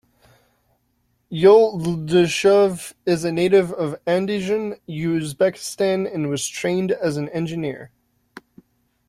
Yo'ldoshev is a native of Andijan, Uzbekistan and was trained as an engineer.